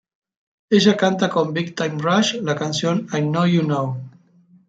Ella canta con Big Time Rush la canción, "I Know You Know.